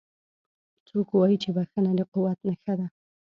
څوک وایي چې بښنه د قوت نښه ده